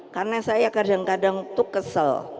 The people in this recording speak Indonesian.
karena saya kadang kadang tuh kesel